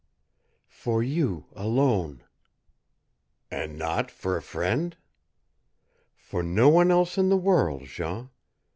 "For you alone." "And not for a friend?" "For no one else in the world, Jean.